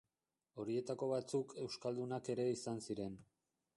Horietako batzuk euskaldunak ere izan ziren.